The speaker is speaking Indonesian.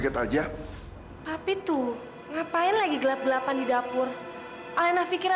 sampai jumpa di video selanjutnya